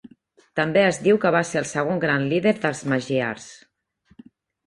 També es diu que va ser el segon gran líder dels magiars.